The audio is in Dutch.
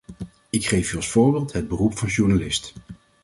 Ik geef u als voorbeeld het beroep van journalist.